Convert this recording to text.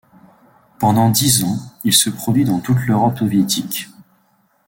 Pendant dix ans, il se produit dans toute l'Europe soviétique.